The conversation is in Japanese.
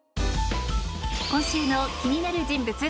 今週の気になる人物